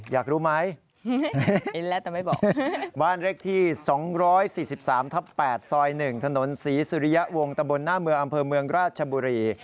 อยากรู้ไหมแต่ไม่บอกบ้านเลขที่๒๔๓ทับ๘ซอย๑ถนนศรีสุริยะวงตะบนหน้าเมืองอำเภอเมืองราชบุรี